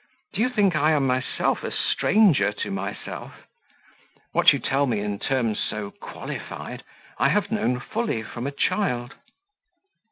Do you think I am myself a stranger to myself? What you tell me in terms so qualified, I have known fully from a child."